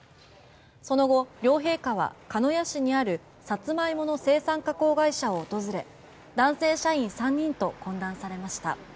その後、両陛下は、鹿屋市にあるサツマイモの生産加工会社を訪れ男性社員３人と懇談されました。